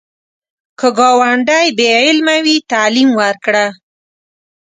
که ګاونډی بې علمه وي، تعلیم ورکړه